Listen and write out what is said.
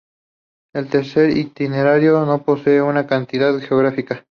El tercer itinerario no posee una continuidad geográfica.